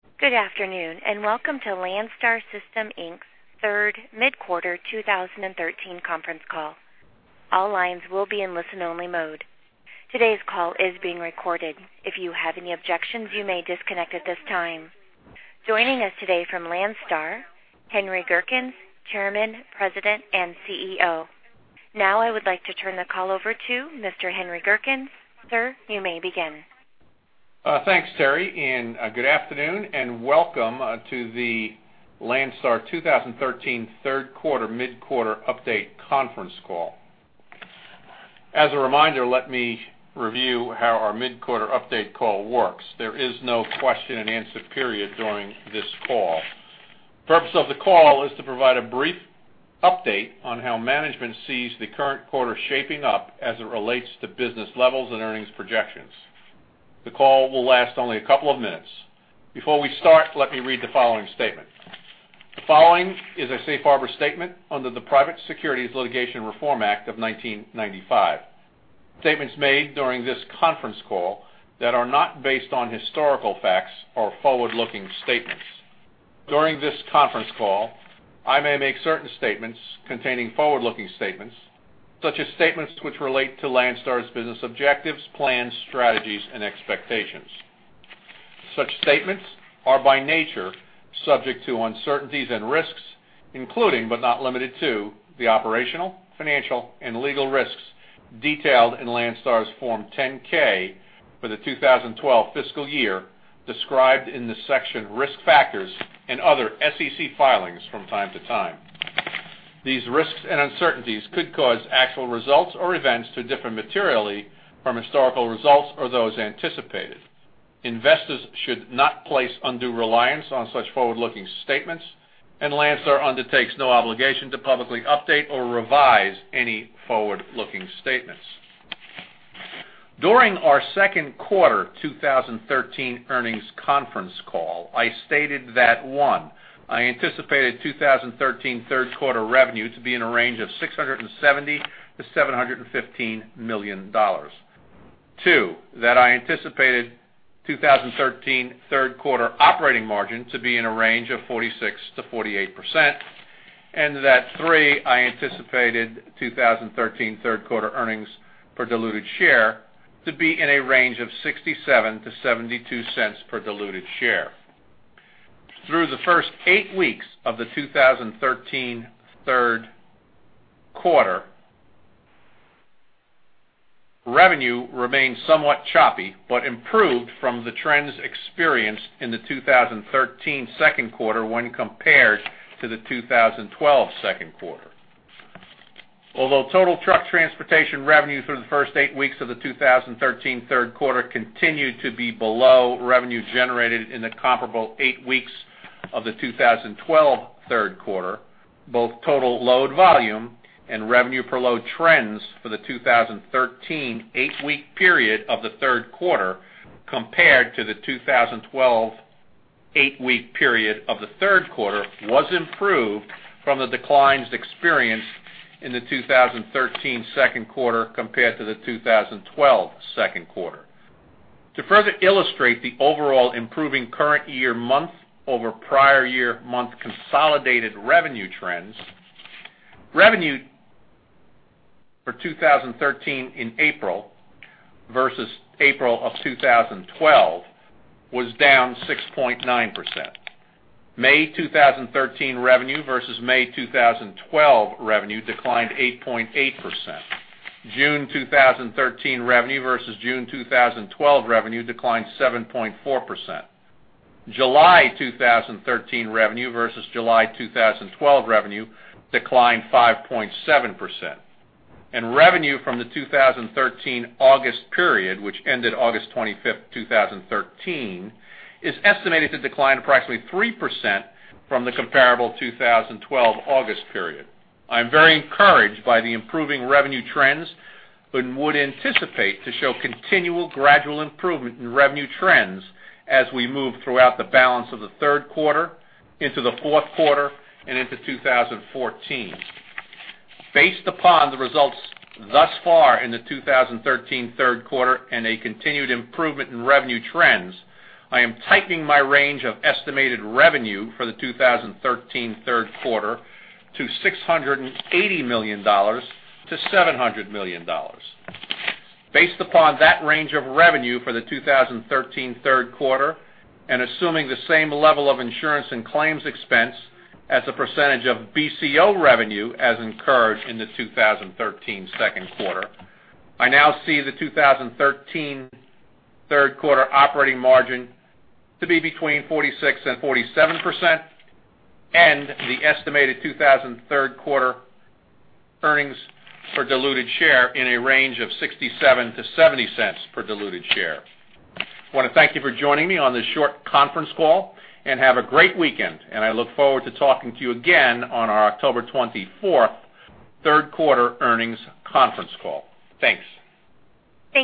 Good afternoon, and welcome to Landstar System, Inc.'s Third Mid-Quarter 2013 Conference Call. All lines will be in listen-only mode. Today's call is being recorded. If you have any objections, you may disconnect at this time. Joining us today from Landstar, Henry Gerkens, Chairman, President, and CEO. Now, I would like to turn the call over to Mr. Henry Gerkens. Sir, you may begin. Thanks, Terry, and good afternoon and welcome to the Landstar 2013 Third Quarter Mid-Quarter Update Conference Call. As a reminder, let me review how our mid-quarter update call works. There is no question-and-answer period during this call. The purpose of the call is to provide a brief update on how management sees the current quarter shaping up as it relates to business levels and earnings projections. The call will last only a couple of minutes. Before we start, let me read the following statement. The following is a safe harbor statement under the Private Securities Litigation Reform Act of 1995. Statements made during this conference call that are not based on historical facts or forward-looking statements. During this conference call, I may make certain statements containing forward-looking statements, such as statements which relate to Landstar's business objectives, plans, strategies, and expectations. Such statements are, by nature, subject to uncertainties and risks, including, but not limited to, the operational, financial, and legal risks detailed in Landstar's Form 10-K for the 2012 fiscal year, described in the section Risk Factors and other SEC filings from time to time. These risks and uncertainties could cause actual results or events to differ materially from historical results or those anticipated. Investors should not place undue reliance on such forward-looking statements, and Landstar undertakes no obligation to publicly update or revise any forward-looking statements. During our second quarter 2013 earnings conference call, I stated that, one, I anticipated 2013 third quarter revenue to be in a range of $670 million-$715 million. Two, that I anticipated 2013 third quarter operating margin to be in a range of 46%-48%, and that, 3, I anticipated 2013 third quarter earnings per diluted share to be in a range of $0.67-$0.72. Through the first 8 weeks of the 2013 third quarter, revenue remained somewhat choppy, but improved from the trends experienced in the 2013 second quarter when compared to the 2012 second quarter. Although total truck transportation revenue through the first eight weeks of the 2013 third quarter continued to be below revenue generated in the comparable eight weeks of the 2012 third quarter, both total load volume and revenue per load trends for the 2013 eight-week period of the third quarter compared to the 2012 eight-week period of the third quarter, was improved from the declines experienced in the 2013 second quarter compared to the 2012 second quarter. To further illustrate the overall improving current year month-over-month prior year consolidated revenue trends, revenue for 2013 in April versus April of 2012 was down 6.9%. May 2013 revenue versus May 2012 revenue declined 8.8%. June 2013 revenue versus June 2012 revenue declined 7.4%. July 2013 revenue versus July 2012 revenue declined 5.7%. Revenue from the 2013 August period, which ended August 25, 2013, is estimated to decline approximately 3% from the comparable 2012 August period. I'm very encouraged by the improving revenue trends and would anticipate to show continual gradual improvement in revenue trends as we move throughout the balance of the third quarter into the fourth quarter and into 2014. Based upon the results thus far in the 2013 third quarter and a continued improvement in revenue trends, I am tightening my range of estimated revenue for the 2013 third quarter to $680 million-$700 million. Based upon that range of revenue for the 2013 third quarter, and assuming the same level of insurance and claims expense as a percentage of BCO revenue as incurred in the 2013 second quarter, I now see the 2013 third quarter operating margin to be between 46% and 47%, and the estimated 2013 third quarter earnings per diluted share in a range of $0.67-$0.70. I want to thank you for joining me on this short conference call, and have a great weekend, and I look forward to talking to you again on our October 24th third quarter earnings conference call. Thanks!